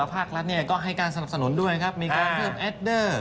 ภาครัฐก็ให้การสนับสนุนด้วยครับมีการเพิ่มแอดเดอร์